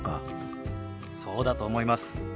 そうだと思います。